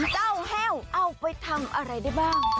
แห้วเอาไปทำอะไรได้บ้าง